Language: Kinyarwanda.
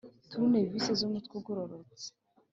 Turunevisi z’umutwe ugororotse,